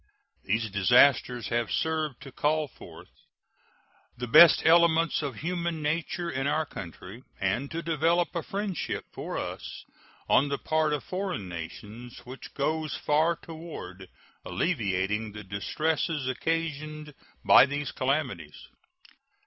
These disasters have served to call forth the best elements of human nature in our country and to develop a friendship for us on the part of foreign nations which goes far toward alleviating the distresses occasioned by these calamities.